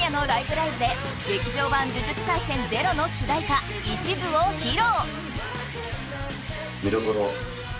ライブ！」で劇場版「呪術廻戦０」の主題歌、「一途」を披露。